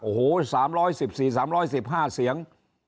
โอ้โหสามร้อยสิบสี่สามร้อยสิบห้าเสียง